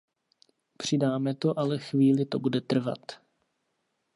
Přidáme to ale chvíli to bude trvat.